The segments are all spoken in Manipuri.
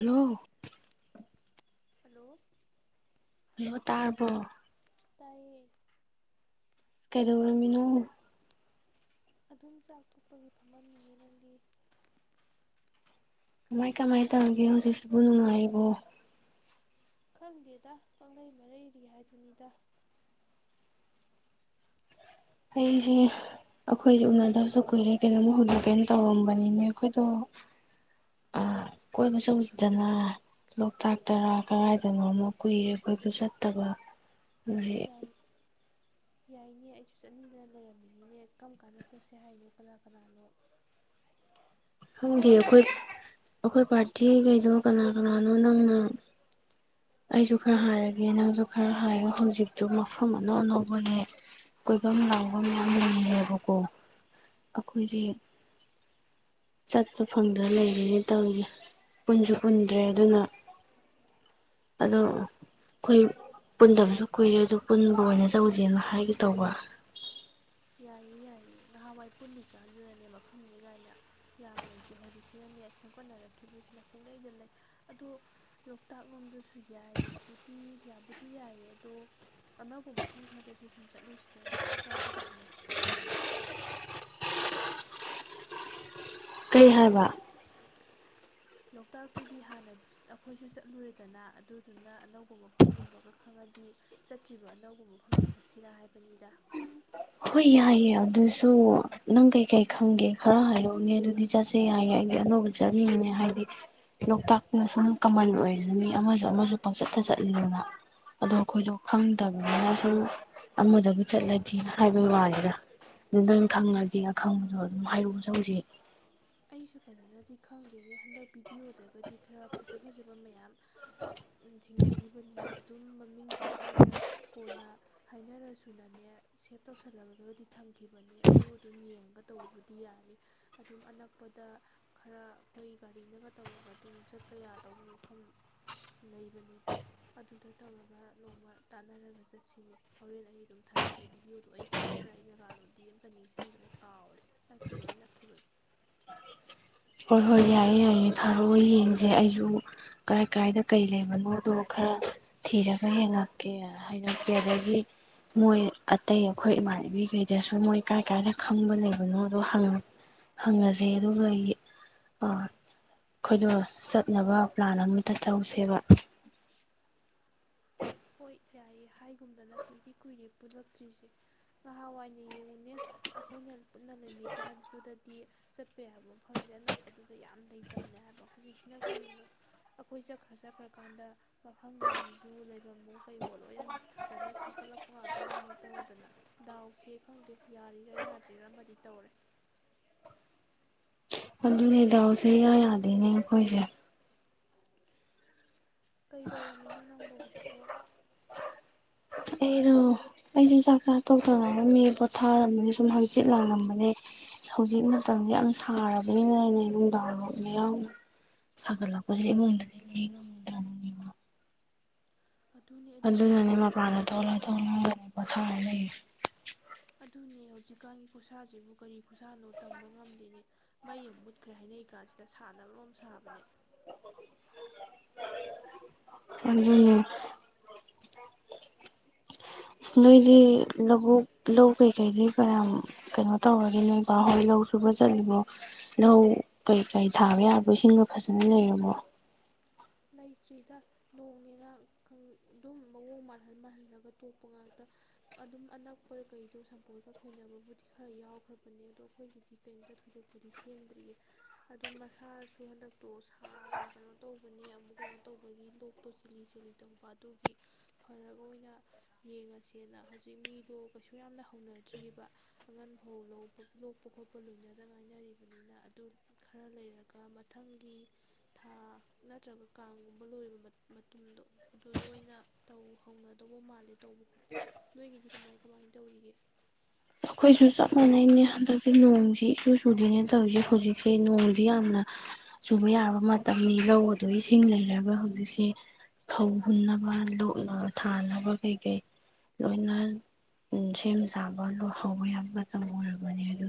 ꯍꯜꯂꯣ꯫ ꯍꯂꯣ꯫ ꯍꯜꯂꫭ ꯇꯥꯔꯔꯕꯣ꯫ ꯇꯥꯏꯌꯦ꯫ ꯀꯩꯗꯧꯔꯃꯤꯅꯣ꯫ ꯑꯗꯨꯝ ꯆꯥꯛ ꯊꯣꯛꯄꯒꯤ ꯐꯝꯃꯝꯃꯤꯌꯦ ꯅꯪꯗꯤ꯫ ꯀꯃꯥꯏ ꯀꯃꯥꯏ ꯇꯧꯔꯤꯒꯦ ꯍꯧꯖꯤꯛꯁꯤꯕꯨ ꯅꯨꯡꯉꯥꯏꯔꯤꯕꯣ꯫ ꯈꯪꯗꯦꯗ ꯄꯥꯡꯒꯩ ꯃꯔꯩꯔꯤ ꯍꯥꯏꯗꯨꯅꯤꯗ꯫ ꯑꯩꯁꯦ ꯑꯩꯈꯣꯏꯁꯦ ꯎꯅꯗꯕꯁꯨ ꯀꯨꯏꯔꯦ ꯀꯩꯅꯣꯝꯃ ꯍꯧꯗꯣꯛꯀꯩꯅ ꯇꯧꯔꯝꯕꯅꯤꯅꯦ ꯑꯩꯈꯣꯏꯗꯣ ꯑ ꯀꯣꯏꯕꯁꯨ ꯆꯠꯂꯨꯁꯤꯗꯅ ꯂꯣꯛꯇꯥꯛ ꯇꯔꯥ ꯀꯗꯥꯥꯏꯗꯅꯣꯃ ꯀꯨꯏꯔꯦ ꯀꫭꯏꯕ ꯆꯠꯇꯕ꯫ ꯌꯥꯏ [unintelligible] ꯌꯥꯏꯅꯦ ꯑꯩꯁꯨ ꯆꯠꯅꯤꯡꯗꯅ ꯂꯩꯔꯝꯃꯤꯅꯤꯅꯦ ꯀꯝ ꯀꯥꯟꯗ ꯆꯠꯁꯦ ꯍꯥꯏꯅꯣ ꯀꯅꯥ ꯀꯅꯥꯅꯣ꯫ ꯈꯪꯗꯦ ꯑꯩꯈꯣꯏ ꯑꯩꯈꯣꯏ ꯄꯥꯔꯇꯤꯈꯩꯗꯣ ꯀꯅꯥ ꯀꯅꯥꯅꯣ ꯅꯪꯅ꯫ ꯑꯩꯁꯨ ꯈꯔ ꯍꯥꯏꯔꯒꯦ ꯅꯪꯁꯨ ꯈꯔ ꯍꯥꯏꯌꯣ ꯍꯧꯖꯤꯛꯇꯨ ꯃꯐꯝ ꯑꯅꯧ ꯑꯅꯧꯕꯅꯦ ꯀꯣꯏꯕ ꯂꯥꯡꯕꯝ ꯌꯥꯝ ꯂꯩꯔꯦꯕꯀꯣ ꯑꯩꯈꯣꯏꯁꯦ ꯆꯠꯄ ꯐꯪꯗ ꯂꯩꯔꯤꯅꯦ ꯇꯧꯔꯤꯁꯦ ꯄꯨꯟꯁꯨ ꯄꯨꯟꯗ꯭ꯔꯦ ꯑꯗꯨꯅ꯫ ꯑꯗꫭ ꯑꯩꯈꯣꯏ ꯄꯨꯟꯗꯕꯁꯨ ꯀꯨꯏꯔꯦ ꯑꯗꯨ ꯄꯨꯟꯕ ꯑꯣꯏꯅ ꯇꯧꯁꯦꯅ ꯍꯥꯏꯒꯦ ꯇꯧꯕ꯫ ꯌꯥꯏꯌꯦ ꯌꯥꯏꯌꯦ ꯉꯍꯥꯟꯋꯥꯏ ꯄꯨꯜꯂꯤꯀꯥꯟꯗꯨꯅꯅꯦ ꯃꯐꯝꯅꯦ ꯀꯥꯏꯅ ꯌꯥꯝ ꯂꯩꯇꯦ ꯍꯧꯖꯤꯛꯁꯤꯅꯅꯦ ꯁꯦꯝꯒꯠꯅꯔꯛꯈꯤꯕꯁꯤꯅ ꯄꯨꯡꯂꯩꯗ ꯂꯩ ꯑꯗꯣ ꯂꯣꯛꯇꯥꯛ ꯂꯣꯝꯗꯁꯨ ꯌꯥꯏꯕꯨꯗꯤ ꯌꯥꯕꯨꯗꯤ ꯌꯥꯏꯌꯦ ꯑꯗꯣ ꯑꯅꯧꯕ ꯃꯐꯝ ꯈꯔꯗꯁꯨ ꯁꯨꯝ ꯆꯠꯂꯨꯁꯤꯗꯅ ꯂꯣꯛꯇꯥꯛꯇꯨꯗꯤ ꯍꯥꯟꯅ꯫ ꯆꯠꯂꯦꯗꯅ꯫ ꯀꯩ ꯍꯥꯏꯕ꯫ ꯂꯣꯛꯇꯥꯛꯇꯨꯗꯤ ꯍꯥꯟꯅ ꯑꯩꯈꯣꯏꯁꯨ ꯆꯠꯂꯨꯔꯦꯗꯅ ꯑꯗꯨꯗꯨꯅ ꯑꯅꯧꯕ ꯃꯐꯝꯒꯨꯝꯕꯒ ꯈꯪꯉꯗꯤ ꯆꯠꯇ꯭ꯔꯤꯕ ꯑꯅꯧꯕ ꯃꯐꯝꯗ ꯆꯠꯁꯤꯔꯥ ꯍꯥꯏꯕꯅꯤꯗ꯫ ꯍꯣꯏ ꯌꯥꯏꯌꯦ ꯑꯗꯨꯁꯨ ꯅꯪ ꯀꯩꯀꯩ ꯈꯪꯒꯦ ꯈꯔ ꯍꯥꯏꯔꯛꯎꯅꯦ ꯑꯗꯨꯗꯤ ꯆꯠꯁꯦ ꯌꯥꯏꯌꯦ ꯑꯩꯗꯤ ꯑꯅꯧꯕ ꯆꯠꯅꯤꯡꯉꯤꯅꯦ ꯍꯥꯏꯗꯤ ꯂꯣꯛꯇꯥꯛꯅ ꯁꯨꯝ ꯀꯃꯟ ꯑꯣꯏꯔꯤꯁꯨ ꯃꯤ ꯑꯃꯁꯨ ꯑꯃꯁꯨ ꯄꯥꯎꯆꯠꯇ ꯆꯠꯂꯤꯗꯅ ꯑꯗꯣ ꯑꯩꯈꯣꯏꯗꯣ ꯈꯪꯗꯕꯅꯤꯅ ꯁꯨꯝ ꯑꯃꯗꯕꯨ ꯆꯠꯂꯗꯤꯅ꯫ ꯍꯥꯏꯕꯩ ꯋꯥꯅꯤꯗ ꯅꯪ ꯈꯪꯉꯗꯤꯅ ꯑꯈꯪꯕꯗ ꯑꯗꯨꯝ ꯍꯥꯏꯔꯛꯑꯣ ꯆꯪꯁꯤ꯫ ꯑꯩꯁꯨ ꯐꯖꯅꯗꯤ ꯈꯪꯗꯦꯅꯦ ꯍꯟꯗꯛ ꯚꯤꯗꯤꯑꯣꯗꯒꯗꯤ ꯈꯔ ꯐꯖ ꯐꯖꯕ ꯃꯌꯥꯝ ꯊꯦꯡꯅꯈꯤꯕꯅꯤꯅꯦ ꯑꯗꯨꯝ ꯃꯃꯤꯡꯗꯣ ꯑꯩꯅ ꯀꯣꯟꯅ ꯍꯥꯏꯅꯔꯁꯨꯅꯅꯦ ꯁꯦꯞ ꯇꯧꯁꯜꯂꯒꯗꯤ ꯊꯝꯈꯤꯕꯅꯦ ꯑꯗꯨ ꯑꯗꯨꯝ ꯌꯦꯡꯉꯒ ꯇꯧꯕꯗꯤ ꯌꯥꯅꯤ ꯑꯗꯨꯝ ꯑꯅꯛ꯫ ꯄꯗ ꯈꯔ ꯑꯩꯈꯣꯏ ꯒꯥꯔꯤꯅꯒ ꯇꯧꯔꯒ ꯑꯗꯨꯝ ꯆꯠꯄ ꯌꯥꯗꯧꯕ ꯃꯐꯝ ꯂꯩꯕꯅꯦꯕ ꯑꯗꯨꯗ ꯇꯧꯔꯒ ꯅꫭꯡꯃ ꯇꯥꯟꯅꯔꯒ ꯆꯠꯁꯤꯅꯦ ꯍꯧꯔꯦꯟ ꯑꯩ ꯑꯗꯨꯝ ꯊꯥꯔꯛꯀꯦ ꯚꯤꯗꯤꯑꯣꯗꯣ ꯑꯩ ꯀꯔꯥꯏ ꯀꯔꯥꯏ ꯖꯒꯥꯅꯣꯗꯤ ꯑꯃꯀ ꯅꯤꯡꯁꯤꯡꯗ꯭ꯔꯦ ꯀꯥꯎꯔꯦ ꯍꯛꯇꯤ ꯂꯣꯏ ꯅꯛꯈꯤꯕꯅꯤ꯫ ꯍꯣꯏ ꯍꯣꯏ ꯌꯥꯏꯌꯦ ꯌꯥꯏꯌꯦ ꯊꯥꯔꯛꯑꯣ ꯌꯦꯡꯁꯦ ꯑꯩꯁꯨ ꯀꯔꯥꯏ ꯀꯔꯥꯏꯗ ꯀꯩ ꯂꯩꯕꯅꯣꯗꯣ ꯈꯔ ꯊꯤꯔꯒ ꯌꯦꯡꯉꯛꯀꯦ ꯍꯥꯏꯔꯛꯀꯦ ꯑꯗꯒꯤ ꯃꯣꯏ ꯑꯇꯩ ꯑꯩꯈꯣꯏ ꯏꯃꯥꯟꯅꯕꯤꯈꯩꯗꯁꯨ ꯃꯣꯏ ꯀꯔꯥꯏ ꯀꯔꯥꯏꯗ ꯈꯪꯕ ꯂꯩꯕꯅꯣꯗꯣ ꯍꯪꯉꯁꯦ ꯑꯗꯨꯒ꯫ ꯑ ꯑꯩꯈꯣꯏꯗꯣ ꯆꯠꯅꯕ ꯄ꯭ꯂꯥꯟ ꯑꯃꯇ ꯇꯧꯁꯦꯕ꯫ ꯍꯣꯏ ꯌꯥꯏꯌꯦ ꯍꯥꯏꯒꯨꯝꯗꯅ ꯀꯨꯏꯔꯤ ꯀꯨꯏꯔꯦ ꯄꯨꯜꯂꯛꯇ꯭ꯔꯤꯁꯦ ꯅꯍꯥꯟꯋꯥꯏꯅ ꯌꯦꯡꯉꯨꯅꯦ ꯑꯩꯈꯣꯏꯅ ꯄꯨꯟꯅ ꯂꯩꯃꯤꯀꯥꯟꯗꯨꯗꯗꯤ ꯆꯠꯄ ꯌꯥꯕ ꯃꯐꯝꯁꯦ ꯑꯅꯛꯄꯗꯨꯗ ꯌꯥꯝ ꯂꯩꯇꯕꯅꯦ ꯍꯥꯏꯕ ꯍꯧꯖꯤꯛꯁꯤꯅ ꯀꯔꯤꯅꯣ ꯑꯩꯈꯣꯏ ꯆꯠꯈ꯭ꯔ ꯆꯠꯈ꯭ꯔꯀꯥꯟꯗ ꯃꯐꯝꯁꯤꯡꯁꯤꯁꯨ꯫ ꯐꯤꯕꯝꯕꯨ ꯀꯩꯋꯣ ꯂꯣꯏꯅ ꯐꯖꯅ ꯁꯦꯝꯒꯠꯂꯛꯄ ꯉꯥꯛꯇ ꯑꯣꯏꯅ ꯍꯦꯛ ꯇꯧꯔꯗꯅ ꯗꯥꯎꯁꯦ ꯈꯪꯗꯦ ꯌꯥꯔꯤꯔꯥ ꯌꯥꯗ꯭ꯔꯤꯔ ꯑꯃꯗꯤ ꯇꯧꯔꯦ꯫ ꯗꯨꯅꯦ ꯗꯥꯎꯁꯤ ꯏꯌꯥ ꯌꯥꯗꯦꯅꯦ ꯑꯩꯈꯣꯏꯁꯦ ꯀꯩꯗꯧꯔꯝꯃꯤꯅꯣ ꯅꯪꯕꯨ ꯍꯧꯖꯤꯛꯄꯣ꯫ ꯑꯩꯩꯔꫭ ꯑꯩꯁꯨ ꯆꯥꯛ ꯆꯥ ꯇꯣꯛꯇꯉꯥꯏꯔꯝꯃꯤ ꯄꯣꯊꯥꯔꯝꯕꯅꯤ ꯁꯨꯝ ꯍꯪꯆꯤꯠ ꯂꯥꯡꯂꯝꯕꯅꯦ ꯍꯧꯖꯤꯛ ꯃꯇꯝꯁꯦ ꯌꯥꯝ ꯁꯥꯔꯕꯅꯤꯅꯦ ꯅꯨꯡꯗꯥꯡ ꯋꯥꯏꯔꯝ ꯃꯌꯥꯝ ꯁꯥꯒꯠꯂꯛꯄꯁꯤ ꯏꯃꯨꯡꯗꯗꯤ ꯂꯩ ꯉꯝꯗ꯭ꯔꯕꯅꯦꯕ ꯑꯗꯨꯅꯦ ꯑꯗꯨꯅꯦ ꯑꯗꯨꯅꯅꯦ ꯀꯔꯤ ꯃꯥꯄꯅ ꯊꫭꯛꯂ ꯊꫭꯛꯂ꯫ ꯒꯅꯦ ꯄꫭꯊꯥꯔ ꯂꯩꯔꯤꯁꯤ꯫ ꯑꯗꯨꯅꯦ ꯍꯧꯖꯤꯛꯀꯥꯟꯒꯤ ꯈꯨꯠꯁꯥꯁꯤꯕꯨ ꯀꯔꯤ ꯈꯨꯁꯥꯅꯣ ꯇꯝꯕ ꯉꯝꯗꯦꯅꯦ ꯃ ꯌꯦꯡ ꯃꯨꯠꯈ꯭ꯔꯦ ꯍꯥꯏꯅꯩꯀꯥꯟꯁꯤꯗ ꯁꯥꯟꯅꯕꯔꯣꯝ ꯁꯥꯕꯅꯦ꯫ ꯑꯗꯨꯅꯦ꯫ ꯑꯁ ꯅꯣꯏꯗꯤ ꯂꯧꯕꯨꯛ ꯂꯧ ꯀꯩꯀꯩꯗꯤ ꯀꯌꯥꯝ ꯀꯩꯅꯣ ꯇꯧꯔꯒꯦ ꯅꯨꯡꯄꯥ ꯍꯣꯏ ꯂꯧ ꯁꯨꯕ ꯆꯠꯂꯤꯕꯣ ꯂꯧ ꯀꯩꯀꯩ ꯊꯥꯕ ꯌꯥꯕꯣ ꯏꯁꯤꯡꯗꯣ ꯐꯖꯅ ꯂꯩꯔꯃꯣ꯫ ꯂꯩꯇ꯭ꯔꯤꯗ ꯅꯣꯡꯅꯦꯅ ꯑꯗꯨꯝ ꯃꯑꯣꯡ ꯃꯥꯜꯍꯟ ꯃꯥꯜꯍꯜꯂꯒ ꯇꯣꯛꯄ ꯉꯥꯛꯇ ꯑꯗꯨꯝ ꯑꯅꯛꯄ ꯀꯩꯗꯣ ꯁꯝꯄꯣꯠꯀ ꯈꯣꯏꯅꯕꯕꯨꯗꯤ ꯈꯔ ꯌꯥꯎꯈ꯭ꯔꯕꯅꯦ ꯑꯗꯣ ꯑꯩꯈꯣꯏꯒꯤꯗꯤ ꯀꯩꯅꯣꯝꯇ ꯊꯣꯏꯗꯣꯛꯄꯗꯤ ꯁꯦꯝꯗ꯭ꯔꯤꯌꯦ ꯑꯗꯨ ꯃꯁꯥꯁꯨ ꯍꯟꯗꯛꯇꯣ ꯁꯥꯒ ꯀꯩꯅꯣ ꯇꯧꯕ ꯆꯤꯂꯤ ꯇꯧꯕ ꯑꯗꯨꯒꯤ ꯐꯔꯒ ꯑꯣꯏꯅ ꯌꯦꯡꯉꯁꯦꯅ ꯍꯧꯖꯤꯛ ꯃꯤꯗꯣ ꯀꯩꯁꯨ ꯌꯥꯝꯅ ꯍꯧꯅꯗ꯭ꯔꯤꯕ ꯑꯉꯟꯐꯧ ꯂꯧꯕ ꯂꯣꯛꯄ ꯈꯣꯠꯄ ꯂꯣꯏꯅꯗ ꯉꯥꯏꯅꯔꯤꯕꯅꯤꯅ ꯑꯗꯨ ꯈꯔ ꯂꯩꯔꯒ ꯃꯊꯪꯒꯤ ꯊꯥ ꯅꯠꯇ꯭ꯔꯒ ꯀꯥꯡꯒꯨꯝꯕ ꯂꯣꯏꯕ ꯃꯇꯨꯡꯗꯣ ꯑꯗꯨꯗ ꯑꯣꯏꯅ ꯇꯧ ꯍꯧꯅꯗꯧꯕ ꯃꯥꯜꯂꯦ ꯇꯧꯕ ꯈꯣꯠꯄ ꯅꯣꯏꯒꯤꯗꯤ ꯀꯃꯥꯏ ꯀꯃꯥꯏ ꯇꯧꯔꯤꯒꯦ꯫ ꯑꯩꯈꯣꯏꯁꯨ ꯆꯞ ꯃꯥꯟꯅꯩꯅꯦ ꯍꯟꯗꯛꯇꯤ ꯅꯣꯡꯁꯤ ꯏꯁꯨ ꯆꯨꯗꯦꯅꯦ ꯇꯧꯔꯤꯁꯦ ꯍꯧꯖꯤꯛꯁꯦ ꯅꯣꯡꯁꯤ ꯌꯥꯝꯅ ꯆꯨꯕ ꯌꯥꯕ ꯃꯇꯝꯅꯤ ꯂꯧ ꯑꯗꯨ ꯏꯁꯤꯡ ꯂꯩꯔꯒ ꯍꯧꯖꯤꯛꯁꯦ ꯐꯧ ꯍꯨꯟꯅꯕ ꯂꯣꯛ ꯊꯥꯅꯕ ꯀꯩꯀꯩ ꯂꯣꯏꯅ ꯁꯦꯝ ꯁꯥꯕ ꯂꯣꯏ꯫ ꯍꯧꯕ ꯌꯥ ꯃꯇꯝ ꯑꯣꯏꯔꯕꯅꯦ ꯑꯗꯨ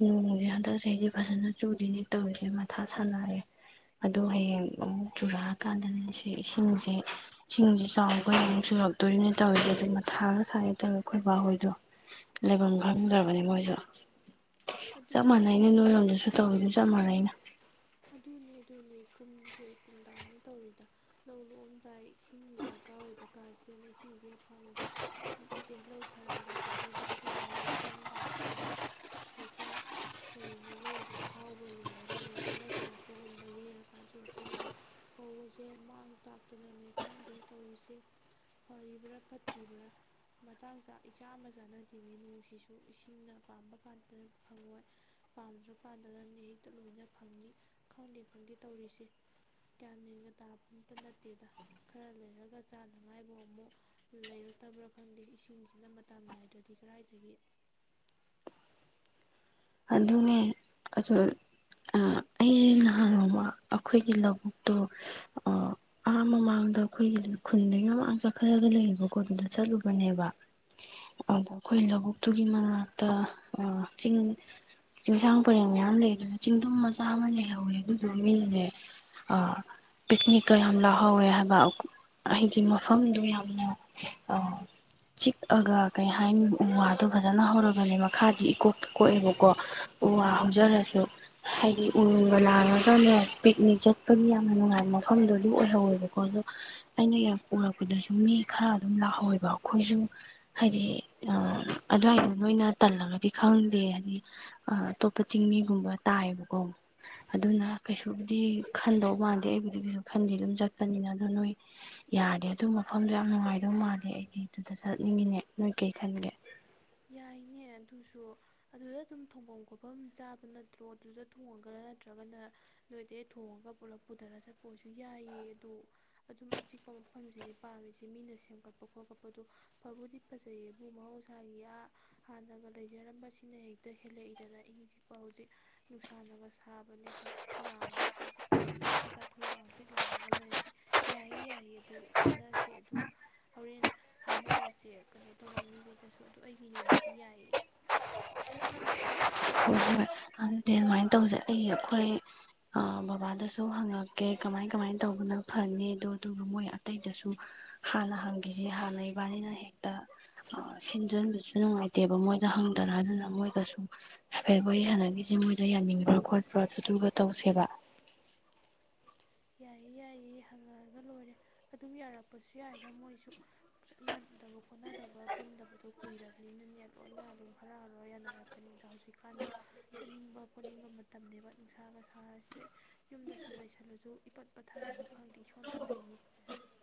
ꯅꯣꯡꯁꯦ ꯍꯟꯗꯛ ꯆꯍꯤꯗꯤ ꯐꯖꯅ ꯆꯨꯗꯅꯦ ꯇꯧꯔꯤꯁꯦ ꯃꯊꯥ ꯁꯥꯟꯅꯑꯦ ꯑꯗꯣ ꯍꯌꯦꯡ ꯑꯃꯨꯛ ꯆꯨꯔꯛꯑꯀꯥꯟꯗꯅꯦ ꯁꯤ ꯏꯁꯤꯡꯁꯦ ꯏꯁꯤꯡꯁꯦ ꯆꯥꯎꯈ ꯑꯃꯨꯛ ꯆꯨꯔꯛꯇꯣꯏꯅꯦ ꯇꯧꯔꯤꯁꯦ ꯑꯗꯨ ꯃꯊꯥꯒ ꯁꯥꯒꯦ ꯇꯧꯋꯦ ꯑꯩꯈꯣꯏ ꯕꯥ ꯍꯣꯏꯗꯣ꯫ ꯂꯩꯕꯝ ꯈꯪꯗ꯭ꯔꯕꯅꯤ ꯃꯣꯏꯁꯨ꯫ ꯆꯞ ꯑꯗꯨꯅꯦ ꯃꯥꯟꯅꯩꯅꯦ ꯅꯣꯏꯔꯣꯝꯗꯁꯨ ꯇꯧꯏ ꯆꯞ ꯃꯟꯅꯩꯗ꯫ ꯑꯗꯨꯅꯦ ꯑꯗꯨꯅꯦ ꯀꯨꯝꯁꯦ ꯀꯨꯝꯗꯥ ꯑꯃ ꯇꯧꯔꯤꯗ ꯂꯧ ꯂꯣꯛꯑꯝꯗꯥꯏ ꯏꯁꯤꯡ ꯗꯔꯀꯥꯔ ꯑꯣꯏꯕ ꯀꯥꯟꯁꯤꯗꯅ ꯏꯁꯤꯡꯁꯦ ꯐꯪꯗꯦ ꯅꯠꯇꯦ ꯂꯧ ꯊꯥꯔꯝꯗꯥꯏꯗ ꯄꯨꯕ ꯑꯗꯨꯒ ꯍꯌꯦꯡ ꯂꯣꯛꯑꯝꯗꯥꯏꯁꯤꯗꯅ ꯍꯦꯛꯇ ꯀꯔꯤꯅꯣ ꯂꯧ ꯈꯥꯎꯕ ꯂꯣꯏꯔꯒ ꯅꯣ꯫ ꯈꯔ ꯆꯨꯔꯛꯄꯒꯨꯝꯕ ꯌꯩꯔꯀꯥꯟ ꯆꯨꯔꯛꯄꯒꯨꯝꯕ ꯐꯧꯕꯁꯦ ꯃꯥꯡ ꯇꯥꯛꯇꯅꯅꯦ ꯈꯪꯗꯦ ꯇꯧꯔꯤꯁꯦ ꯐꯔꯤꯕ꯭ꯔꯥ ꯐꯠꯇ꯭ꯔꯤꯕ꯭ꯔꯥ ꯃꯇꯥꯡ ꯆꯥꯛ ꯏꯆꯥ ꯑꯃ ꯆꯥꯅꯗꯃꯤ ꯅꯨꯡꯁꯤꯁꯨ ꯏꯁꯤꯡꯅ ꯄꯥꯝꯕ ꯀꯥꯟꯗ ꯐꯪꯉꯣꯏ ꯄꯥꯝꯗ꯭ꯔꯀꯥꯟꯗꯅꯦ ꯍꯦꯛꯇ ꯂꯣꯏꯅ꯫ ꯐꯪꯅꯤ ꯈꯪꯗꯦ ꯈꯪꯗꯦ ꯇꯧꯔꯤꯁꯦ ꯀꯒ꯭ꯌꯥꯟꯃꯦꯟꯒ ꯇꯥꯐꯝꯇ ꯅꯠꯇꯦꯗ ꯈꯔ ꯂꯩꯔꯒ ꯆꯥꯅꯉꯥꯏꯐꯥꯎ ꯑꯃꯨꯛ ꯂꯩꯔꯛꯇꯕ꯭ꯔꯥ ꯈꯪꯗꯦ ꯏꯁꯤꯡꯁꯤꯅ ꯃꯇꯝ ꯅꯥꯏꯗ꯭ꯔꯗꯤ ꯀꯗꯥꯏꯗꯒꯤ꯫ ꯑꯗꯨꯅꯦ ꯑ ꯑꯩꯁꯦ ꯅꯍꯥꯅꫭꯡꯃ ꯑꯩꯈꯣꯏꯒꯤ ꯂꯧꯕꯨꯛꯇꯣ ꯑ ꯑꯃꯥ ꯃꯃꯥꯡꯗ ꯑꯩꯈꯣꯏꯒꯤ ꯈꯨꯟꯗꯨꯒꯤ ꯃꯃꯥꯡ ꯆꯠꯈꯠꯂꯒ ꯂꯩꯌꯦꯕꯀꫭ ꯑꯗꯨꯗ ꯆꯠꯂꯨꯕꯅꯦꯕ ꯑꯗꯣ ꯑꯩꯈꯣꯏ ꯂꯧꯕꯨꯛꯇꯨꯒꯤ ꯃꯅꯥꯛꯇ ꯆꯤꯡ꯫ ꯆꯤꯡꯁꯥꯡ ꯄꯔꯦꯡ ꯃꯌꯥꯝ ꯂꯩꯗꯅ ꯆꯤꯡꯗꯨꯝ ꯃꯆꯥ ꯑꯃ ꯂꯩꯍꯧꯋꯦ ꯑꯗꯨꯗꯨ ꯃꯤꯅꯅꯦ ꯄꯤꯛꯅꯤꯛꯀ ꯌꯥꯝ ꯂꯥꯛꯍꯧꯋꯦ ꯍꯥꯏꯕ ꯍꯥꯏꯗꯤ ꯃꯐꯝꯗꯣ ꯌꯥꯝꯅ ꯆꯤꯛꯑꯒ ꯀꯩ ꯍꯥꯏꯅꯤ ꯎ ꯋꯥꯗꯣ ꯐꯖꯅ ꯍꯧꯔꯒꯅꯦ ꯃꯈꯥꯗꯤ ꯏꯀꯣꯛ ꯀꯣꯛꯑꯦꯕꯀ ꯀꯣ ꯎ ꯋꯥ ꯍꯧꯖꯔꯁꯨ ꯍꯥꯏꯗꯤ ꯎꯒ ꯂꯥꯡꯉꯒꯅꯦ ꯄꯤꯛꯅꯤꯛ ꯆꯠꯄꯒꯤ ꯌꯥꯝꯅ ꯅꯨꯡꯉꯥꯏꯕ ꯃꯐꯝꯗꯨ ꯑꯗꯨ ꯑꯣꯏꯍꯧꯋꯦꯕꯀꯣ ꯑꯗꯣ ꯑꯩꯅ ꯌꯥꯝ ꯎꯔꯛꯄꯗꯁꯨ ꯃꯤ ꯈꯔ ꯑꯗꯨꯝ ꯂꯥꯛꯍꯧꯋꯦꯕ ꯑꯩꯈꯣꯏꯁꯨ ꯍꯥꯏꯗꯤ ꯑꯗꯨꯋꯥꯏꯗꯣ ꯅꯣꯏꯅ ꯇꯜꯂꯒꯗꯤ ꯈꯪꯗꯦ ꯍꯥꯏꯗꯤ ꯑꯇꯣꯞꯄ ꯆꯤꯡꯃꯤꯒꯨꯝꯕ ꯇꯥꯏꯌꯦꯕꯀꯣ ꯑꯗꯨꯅ ꯀꯩꯁꯨꯕꯨꯗꯤ ꯈꯟꯗꯧ ꯃꯥꯟꯗꯦ ꯑꯩꯕꯨꯗꯤ ꯀꯩꯁꯨ ꯈꯟꯗꯦ ꯑꯗꯨꯝ ꯆꯠꯄꯅꯤꯅ ꯑꯗꯣ ꯅꯣꯏ ꯌꯥꯔꯗꯤ ꯑꯗꯨ ꯃꯐꯝꯗꯣ ꯌꯥꯝ ꯅꯨꯡꯉꯥꯏꯗꯧ ꯃꯥꯜꯂꯤ ꯑꯩꯗꯤ ꯑꯗꯨꯗ ꯆꯠꯅꯤꯡꯉꯤꯅꯦ ꯅꯣꯏ ꯀꯩ ꯈꯟꯒꯦ ꯌꯥꯏꯅꯦ ꯑꯗꯨꯁꯨ ꯑꯗꯨꯗ ꯑꯗꯨꯝ ꯊꯣꯡꯐꯝ ꯈꯣꯠꯐꯝ ꯆꯥꯕ ꯅꯠꯇ꯭ꯔꯣ ꯑꯗꯨꯗ ꯊꯣꯡꯉꯒ ꯅꯠꯇ꯭ꯔꯒꯅ ꯅꯣꯏꯗꯩ ꯊꯣꯡꯉꯒ ꯄꯨꯂꯞ ꯄꯨꯊꯔ ꯆꯠꯄ ꯑꯣꯏꯁꯨ ꯌꯥꯏꯑ ꯑꯗꯨꯗ ꯑꯗꯨꯝ ꯑꯆꯤꯛꯄ ꯃꯐꯝꯁꯤꯗꯤ ꯄꯥꯝꯃꯤꯁꯤ ꯃꯤꯅ ꯁꯦꯝꯒꯠꯄ ꯈꯣꯠꯀꯠꯄ ꯑꯗꯨ ꯐꯕꯨꯗꯤ ꯐꯖꯩꯌꯦꯕꯨ ꯃꯍꯧꯁꯥꯒꯤ ꯍꯥꯟꯅꯒ ꯂꯩꯖꯔꯝꯕꯁꯤꯅ ꯍꯦꯛꯇ ꯍꯦꯜꯂꯛꯏꯗꯅ ꯏꯪꯆꯤꯛꯄ ꯍꯧꯖꯤꯛ ꯅꯨꯡꯁꯥꯅꯒ ꯁꯥꯕꯅꯦ ꯍꯪꯆꯤꯠꯀ ꯂꯥꯡꯉꯒ ꯆꯥꯛ ꯐꯖꯅ ꯆꯥꯊꯣꯛꯑꯒ ꯍꯪꯆꯤꯠ ꯂꯥꯡꯉꯒ ꯂꯩꯔꯗꯤ ꯌꯥꯏꯌꯦ ꯌꯥꯏꯌꯦ ꯑꯗꯨ ꯈꯟꯅꯁꯦ ꯑꯗꯨ ꯍꯣꯔꯦꯟ ꯍꯥꯏꯅꯔꯁꯦ ꯀꯩꯅꯣ ꯇꯧꯕ ꯃꯤꯈꯩꯗꯁꯨ ꯑꯗꯣ ꯑꯩꯒꯤ ꯑꯣꯏꯅꯗꯤ ꯌꯥꯏꯌꯦ ꯀꯃꯥꯏꯅ ꯇꯧꯁꯦ ꯑꯩ ꯑꯩꯈꯣꯏ ꯕꯕꯥꯗꯁꯨ ꯍꯪꯉꯛꯀꯦ ꯀꯃꯥꯏ ꯀꯃꯥꯏꯅ ꯇꯧꯕꯅ ꯐꯅꯤꯗ ꯑꯗꯨꯒ ꯃꯣꯏ ꯑꯇꯩꯗꯁꯨ ꯍꯥꯟꯅ ꯍꯪꯈꯤꯁꯤ ꯍꯥꯟꯅ ꯏꯕꯥꯅꯤꯅ ꯍꯦꯛꯇ ꯁꯤꯟꯖꯤꯟꯕꯁꯨ ꯅꯨꯡꯉꯥꯏꯇꯦꯕ ꯃꯣꯏꯗ ꯍꯪꯗꯅ ꯑꯗꯨꯅ ꯃꯣꯏꯒꯁꯨ ꯍꯥꯏꯐꯦꯠ ꯋꯥꯔꯤ ꯁꯥꯟꯅꯈꯤꯁꯤ ꯃꯣꯏ ꯌꯥꯅꯤꯡꯕ꯭ꯔꯣ ꯈꯣꯠꯄ꯭ꯔꯣ ꯑꯗꯨꯗꯨꯒ ꯇꯧꯁꯦꯕ ꯌꯥꯏꯌꯦ ꯌꯥꯏꯌꯦ ꯍꯪꯉꯔꯒ ꯂꯣꯏꯔꯦ ꯑꯗꯨꯝ ꯌꯥꯔꯛꯄꯁꯨ ꯌꯥꯏꯗ ꯃꯣꯏꯁꯨ ꯆꯠꯅꯗꯕ ꯈꯣꯠꯅꯗꯕ ꯄꯨꯟꯗꯕꯗꯣ ꯀꯨꯏꯔꯕꯅꯤꯅꯅꯦ ꯂꯣꯏꯅ ꯑꯗꯨꯝ ꯍꯔꯥꯎ ꯍꯔꯥꯎ ꯌꯥꯅꯔꯛꯀꯅꯤꯗ ꯍꯧꯖꯤꯛꯀꯥꯟꯗꯣ ꯆꯠꯅꯤꯡꯕ ꯈꯣꯠꯅꯤꯡꯕ ꯃꯇꯝꯕ ꯅꯨꯡꯁꯥꯒ ꯁꯥꯔꯁꯤꯗ ꯌꯨꯝꯗ ꯁꯨꯝ ꯂꯩꯁꯜꯂꯁꯨ ꯏꯄꯠ ꯄꯠꯊꯔꯒ ꯈꯪꯗꯦ ꯏꯁꯣꯟ ꯁꯣꯟꯗꯣꯏꯅꯤ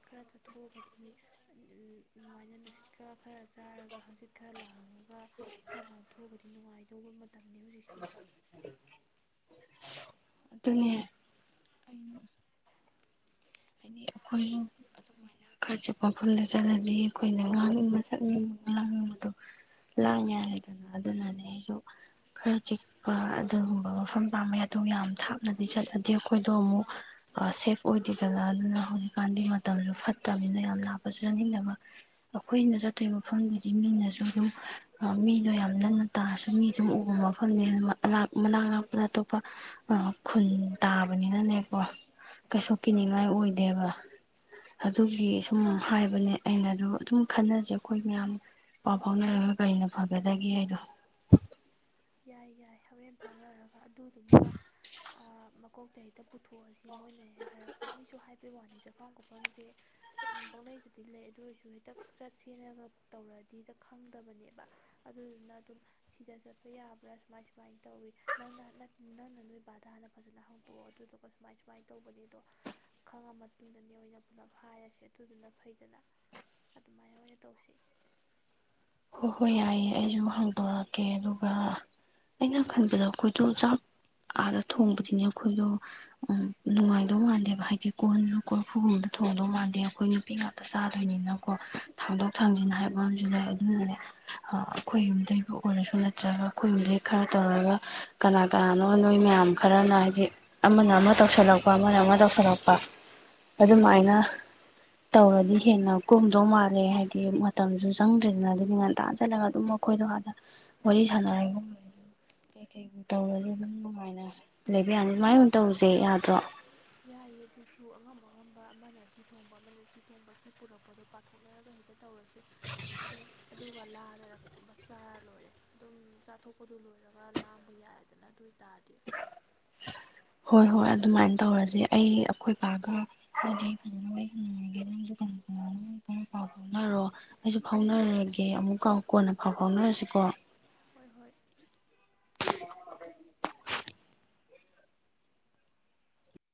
ꯈꯔ ꯆꯠꯊꯣꯛꯑꯒꯗꯤ ꯑꯗꯨꯃꯥꯏꯅ ꯅꯨꯡꯁꯤꯠꯀ ꯈꯔ ꯆꯥꯔꯒ ꯍꯪꯆꯤꯠ ꯈꯔ ꯂꯥꯡꯉꯒ ꯈꯔ ꯂꯥꯡꯊꯣꯛꯑꯒꯗꯤ ꯅꯨꯡꯉꯥꯏꯗꯧꯕ ꯃꯇꯝꯅꯤ ꯍꯧꯖꯤꯛꯁꯤ ꯑꯗꯨꯅꯦ ꯑꯆꯤꯛꯄ ꯃꯐꯝꯗ ꯆꯠꯂꯗꯤ ꯑꯩꯈꯣꯏꯅ ꯉꯥꯡꯅꯤꯡꯕ ꯆꯠꯅꯤꯡꯕ ꯂꯥꯡꯅꯤꯡꯕꯗꯣ ꯂꯥꯡꯉꯔꯦꯗꯅ ꯑꯗꯨꯅꯅꯦ ꯑꯩꯁꯨ ꯈꯔ ꯆꯤꯛꯄ ꯑꯗꯨꯒꯨꯝꯕ ꯃꯐꯝ ꯇꯥꯡꯕ ꯌꯥ ꯑꯗꯨ ꯌꯥꯝ ꯊꯥꯞꯅꯗꯤ ꯆꯠꯂꯗꯤ ꯑꯩꯈꯣꯏꯗꯣ ꯑꯃꯨꯛ ꯁꯦꯐ ꯑꯣꯏꯗꯦꯗꯅ ꯑꯗꯨꯅ ꯍꯧꯖꯤꯛꯀꯥꯟꯗꯤ ꯃꯇꯝꯁꯨ ꯐꯠꯇꯕ ꯅ ꯌꯥꯝ ꯂꯥꯞꯄꯁꯨ ꯆꯠꯅꯤꯡꯗꯕ ꯑꯩꯈꯣꯏꯅ ꯆꯠꯇꯣꯏꯔꯤꯕ ꯃꯐꯝꯗꯨꯗꯤ ꯃꯤꯅꯁꯨ ꯑꯗꯨꯝ ꯃꯤꯗꯣ ꯌꯥꯝ ꯅꯟꯅ ꯇꯥꯔꯁꯨ ꯃꯤ ꯑꯗꯨꯝ ꯎꯕ ꯃꯐꯝꯅꯦ ꯃꯅꯥꯛ ꯅꯛꯄꯗ ꯑꯇꯣꯞꯄ ꯈꯨꯟ ꯇꯥꯕꯅꯤꯅꯅꯦꯀꯣ ꯀꯩꯁꯨ ꯀꯤꯅꯤꯡꯉꯥꯏ ꯑꯣꯏꯗꯦꯕ ꯑꯗꯨꯒꯤ ꯁꯨꯝ ꯍꯥꯏꯕꯅꯦ ꯑꯩꯅ ꯑꯗꯨ ꯑꯗꯨꯝ ꯈꯟꯅꯁꯦ ꯑꯩꯈꯣꯏ ꯃꯌꯥꯝ ꯄꯥꯎ ꯐꯥꯎꯅꯔꯒ ꯀꯔꯤꯅ ꯐꯒꯗꯒꯦ ꯍꯥꯏꯗꯣ ꯌꯥꯏ ꯌꯥꯏ ꯍꯣꯔꯦꯟ ꯐꯥꯎꯅꯔꯒ ꯑꯗꯨꯗꯨꯃ ꯃꯀꯣꯛꯇ ꯍꯦꯛꯇ ꯄꯨꯊꯣꯛꯑꯁꯤ ꯃꯣꯏꯅꯦꯛ ꯍꯥꯏꯔꯛꯄ ꯃꯣꯏꯁꯨ ꯍꯥꯏꯕꯩ ꯋꯥꯅꯤ ꯆꯠꯐꯝ ꯀꯣꯠꯐꯝꯁꯦ ꯄꯅꯩꯗꯗꯤ ꯂꯩ ꯑꯗꯨ ꯑꯣꯏꯔꯁꯨ ꯍꯦꯛꯇ ꯆꯠꯁꯦꯟꯅꯒ ꯇꯧꯔꯗꯤ ꯍꯦꯛꯇ ꯈꯪꯗꯕꯅꯦꯕ ꯑꯗꯨꯗꯨꯅ ꯑꯗꯨꯝ ꯁꯤꯗ ꯌꯥꯕ꯭ꯔꯥ ꯁꯨꯃꯥꯏ ꯁꯨꯃꯥꯏꯅ ꯇꯧꯋꯤ ꯅꯪꯅ ꯅꯪꯅ ꯅꯣꯏ ꯏꯕꯥꯗ ꯍꯥꯟꯅ ꯐꯖꯅ ꯍꯥꯡꯇꯣꯛꯑꯣ ꯑꯗꯨꯗꯨꯒ ꯁꯨꯃꯥꯏ ꯁꯨꯃꯥꯏꯅ ꯇꯧꯕꯅꯤ ꯑꯗꯣ ꯈꯪꯉ ꯃꯇꯨꯡꯗꯅꯦ ꯑꯣꯏꯅ ꯄꯨꯂꯞ ꯍꯥꯏꯔꯁꯦ ꯑꯗꯨꯗꯨꯅ ꯐꯩꯗꯅ ꯑꯗꯨꯃꯥꯏꯅ ꯑꯣꯏꯅ ꯇꯧꯁꯤ ꯍꯣꯏ ꯍꯣꯏ ꯌꯥꯏꯌꯦ ꯑꯩꯁꯨ ꯍꯥꯡꯗꯣꯔꯛꯀꯦ ꯑꯗꯨꯒ ꯑꯩꯅ ꯈꯟꯕꯗ ꯑꯩꯈꯣꯏꯗꯣ ꯆꯥꯛ ꯑꯥꯗ ꯊꯣꯡꯕꯗꯤꯅꯦ ꯑꯩꯈꯣꯏꯗꯣ ꯅꯨꯡꯉꯥꯏꯗꯧ ꯃꯥꯟꯗꯦꯕ ꯍꯥꯏꯗꯤ ꯀꯣꯟꯁꯨ ꯀꯣꯔꯐꯨꯒꯨꯝꯗ ꯊꯣꯡꯗꯧ ꯃꯥꯟꯗꯦ ꯑꯩꯈꯣꯏ ꯅꯨꯄꯤ ꯉꯥꯛꯇ ꯆꯥꯗꯣꯏꯅꯤꯅꯀꯣ ꯊꯥꯡꯗꯣꯛ ꯊꯥꯡꯖꯤꯟ ꯍꯥꯏꯕ ꯑꯃꯁꯨ ꯂꯩ ꯑꯗꯨꯅꯦ ꯑꯩꯈꯣꯏ ꯌꯨꯝꯗꯩꯕꯨ ꯑꯣꯏꯔꯁꯨ ꯅꯠꯇ꯭ꯔꯒ ꯑꯩꯈꯣꯏ ꯌꯨꯝꯗꯩ ꯈꯔ ꯇꯧꯔꯒ ꯀꯅꯥ ꯀꯅꯥꯅꯣ ꯅꯣꯏ ꯃꯌꯥꯝ ꯈꯔꯅ ꯍꯥꯏꯗꯤ ꯑꯃꯅ ꯑꯃ ꯇꯧꯁꯜꯂꯛꯄ ꯑꯃꯅ ꯑꯃ ꯇꯧꯁꯜꯂꯛꯄ ꯑꯗꯨꯃꯥꯏꯅ ꯇꯧꯔꯗꯤ ꯍꯦꯟꯅ ꯀꯣꯝꯗꯧ ꯃꯥꯜꯂꯦ ꯍꯥꯏꯗꯤ ꯃꯇꯝꯁꯨ ꯆꯪ ꯅꯠꯇ꯭ꯔꯗꯅ ꯑꯗꯨꯗꯤ ꯉꯟ ꯇꯥꯟ ꯆꯠꯂꯒ ꯑꯗꯨꯝ ꯃꯈꯣꯏꯗꯣ ꯍꯥꯟꯅ ꯋꯥꯔꯤ ꯁꯥꯟꯅꯔꯒꯨꯝꯔꯁꯨ ꯀꯩ ꯀꯩꯒꯨꯝ ꯇꯧꯔꯁꯨ ꯑꯗꯨꯝ ꯅꯨꯡꯉꯥꯏꯅ ꯂꯩꯕ ꯌꯥꯅꯤ ꯑꯗꯨꯨꯃꯥꯏꯅ ꯇꯧꯁꯦ ꯌꯥꯗ꯭ꯔꯣ ꯌꯥꯏꯑ ꯑꯗꯨꯁꯨ ꯑꯉꯝ ꯑꯉꯝꯕ ꯑꯃꯅ ꯁꯤ ꯊꯣꯡꯕ ꯑꯃꯅ ꯁꯤ ꯊꯣꯡꯕ ꯁꯤ ꯄꯨꯔꯛꯄꯗꯣ ꯄꯥꯊꯣꯛꯅꯔꯒ ꯍꯦꯛꯇꯠ ꯇꯧꯔꯁꯦ ꯑꯗꯣ ꯑꯗꯣ ꯂꯥꯗꯅ ꯀꯩꯅꯣꯝꯃ ꯆꯥꯔ ꯂꯣꯏꯔꯦ ꯑꯗꯨꯝ ꯆꯥꯊꯣꯛꯄꯗꯨ ꯂꯣꯏꯔꯒ ꯂꯥꯡꯕ ꯌꯥꯔꯦꯗꯅ ꯑꯗꯨ ꯑꯣꯏꯇꯥꯔꯗꯤ ꯍꯣꯏ ꯍꯣꯏ ꯑꯗꯨꯃꯥꯏꯅ ꯇꯧꯔꯁ ꯑꯩ ꯑꯩꯈꯣꯏ ꯏꯄꯥꯒꯗꯤ ꯐꯖꯉꯥꯏꯦ ꯅꯪꯁꯨ ꯈ ꯄꯥꯎ ꯐꯥꯎꯅꯔꯣ ꯑꯩꯁꯨ ꯐꯥꯎꯅꯔꯒꯦ ꯑꯃꯨꯛꯀ ꯀꯣꯟꯅ ꯄꯥꯎ ꯐꯥꯎꯅꯔꯁꯤꯀꯣ ꯍꯣꯏ ꯍꯣꯏ